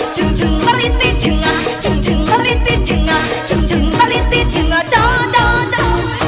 ชึงชึงตะลิติชึงอะชึงชึงตะลิติชึงอะชึงชึงตะลิติชึงอะเจ้าเจ้าเจ้าเจ้า